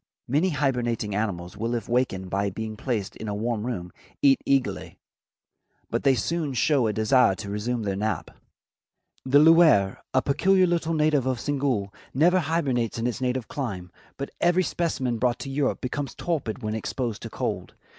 Many hibernating animals will if wakened by being placed in a warm room, eat eagerly, but they soon show a desire to resume their nap. The Loir, a peculiar little native of Senegal, never hibernates in its native clime, but every specimen brought to Europe becomes torpid when exposed to cold.